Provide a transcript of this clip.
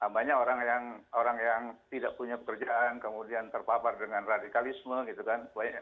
banyak orang yang tidak punya pekerjaan kemudian terpapar dengan radikalisme gitu kan